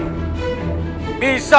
agar pengadilan istana